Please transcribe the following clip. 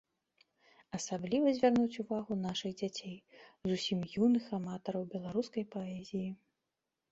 Асабліва звярнуць увагу нашых дзяцей, зусім юных аматараў беларускай паэзіі.